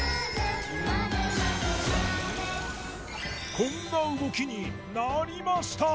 こんな動きになりました！